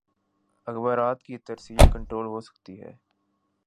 اخبارات کی ترسیل کنٹرول ہو سکتی ہے۔